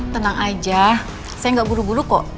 tenang aja saya nggak buru buru kok